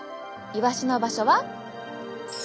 イワシの場所はここ！